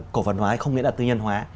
cổ phần hóa không nghĩa là tư nhân hóa